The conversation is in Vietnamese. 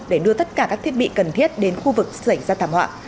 để đưa tất cả các thiết bị cần thiết đến khu vực xảy ra thảm họa